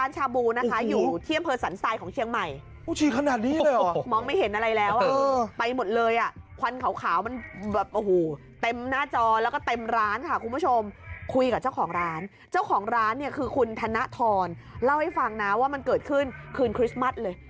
เจ้าของร้านเนี่ยคือคุณธนทรเล่าให้ฟังนะว่ามันเกิดขึ้นคืนคริสต์มัสเลย